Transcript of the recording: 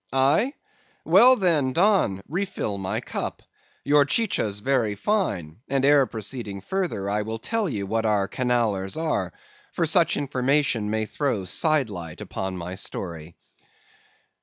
"'Aye? Well then, Don, refill my cup. Your chicha's very fine; and ere proceeding further I will tell ye what our Canallers are; for such information may throw side light upon my story.